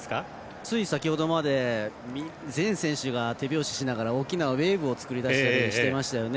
つい先ほどまで、全選手が手拍子しながら大きなウェーブを作ったりしていましたよね。